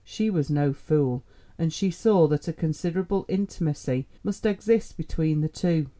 She was no fool, and she saw that a considerable intimacy must exist between the two.